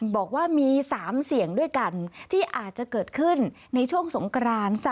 บอกว่ามี๓เสียงด้วยกันที่อาจจะเกิดขึ้นในช่วงสงกราน